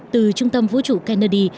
từ trung tâm vũ trụ kennedy